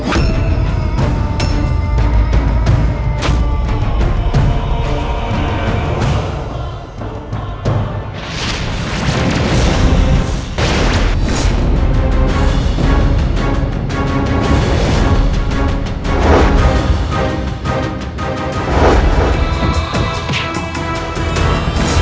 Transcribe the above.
setelah mengangkat api